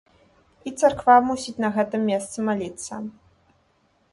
І царква мусіць на гэтым месцы маліцца.